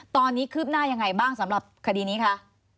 ตอนนี้คืบหน้ายังไงบ้างสำหรับคดีนี้คะ